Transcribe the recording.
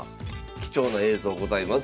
貴重な映像ございます。